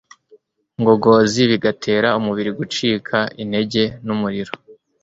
ngongozi bigatera umubiri gucika intege numuriro